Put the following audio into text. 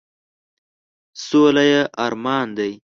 سوله یې ارمان دی ،.